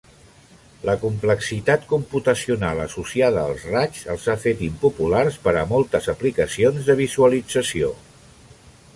La complexitat computacional associada als raigs els ha fet impopulars per a moltes aplicacions de visualització.